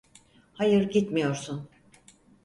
Hayır, gitmiyorsun.